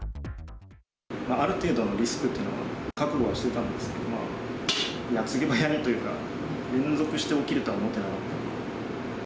ある程度のリスクっていうのは覚悟してたんですけども、矢継ぎ早にというか、連続して起きるとは思ってなかったんで。